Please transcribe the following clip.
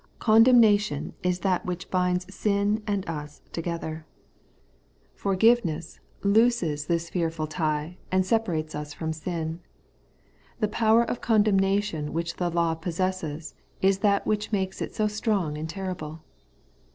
Condemnation is that which binds sin and us 184 The Everlasting Righteousness. together. Forgiveness looses this fearful tie, and separates ns from sin. The power of condemnation which the law possesses is that which makes it so strong and terrible.